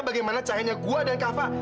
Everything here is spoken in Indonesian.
bagaimana caranya gue dan kava